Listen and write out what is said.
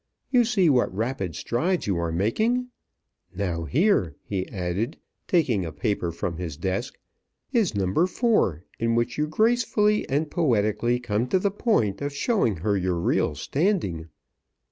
You see what rapid strides you are making? Now here," he added, taking a paper from his desk, "is No. 4, in which you gracefully and poetically come to the point of showing her your real standing.